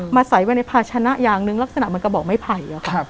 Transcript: ใส่ไว้ในภาชนะอย่างหนึ่งลักษณะเหมือนกระบอกไม้ไผ่